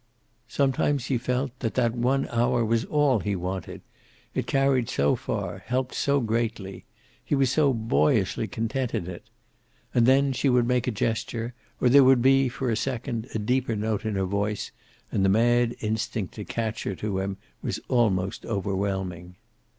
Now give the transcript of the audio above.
Some times he felt that that one hour was all he wanted; it carried so far, helped so greatly. He was so boyishly content in it. And then she would make a gesture, or there would be, for a second, a deeper note in her voice, and the mad instinct to catch her to him was almost overwhelming.